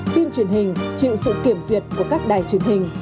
phim truyền hình chịu sự kiểm duyệt của các đài truyền hình